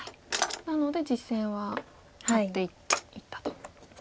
なので実戦はハッていったと。